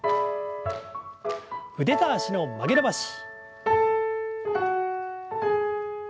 腕と脚の曲げ伸ばし。